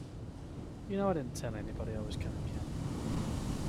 You know I didn't tell anybody I was coming here.